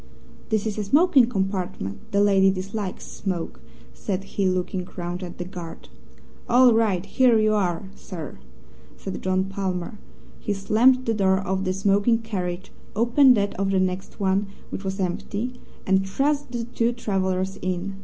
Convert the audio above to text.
"This is a smoking compartment. The lady dislikes smoke," said he, looking round at the guard. "All right! Here you are, sir!" said John Palmer. He slammed the door of the smoking carriage, opened that of the next one, which was empty, and thrust the two travellers in.